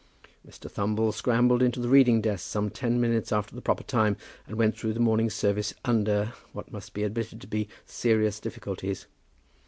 Mr. Thumble scrambled into the reading desk some ten minutes after the proper time, and went through the morning service under, what must be admitted to be, serious difficulties.